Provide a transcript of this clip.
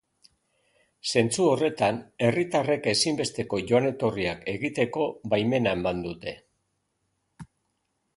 Zentzu horretan, herritarrek ezinbesteko joan-etorriak egiteko baimena eman dute soilik.